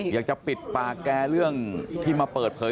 อยากจะปิดปากแกเรื่องที่มาเปิดเผย